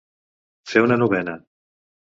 Fer una novena.